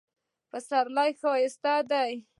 پسرلی ښایسته ده